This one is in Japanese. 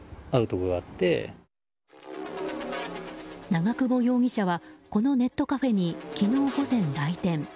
長久保容疑者はこのネットカフェに昨日午前、来店。